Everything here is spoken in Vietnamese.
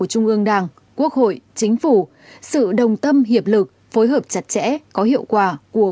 trung ương đảng quốc hội chính phủ sự đồng tâm hiệp lực phối hợp chặt chẽ có hiệu quả của